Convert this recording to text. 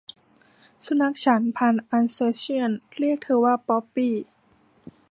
สุนัขฉันพันธุ์อัลเซเชี่ยนเรียกเธอว่า 'ป๊อปปี้'